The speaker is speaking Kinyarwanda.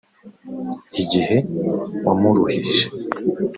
Igihe wamuruhije